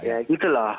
ya gitu lah